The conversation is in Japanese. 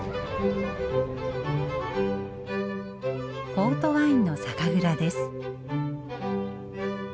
ポートワインの酒蔵です。